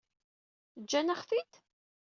Ǧǧan-aɣ-t-id?